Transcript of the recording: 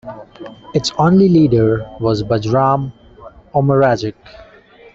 Its only leader was Bajram Omeragić.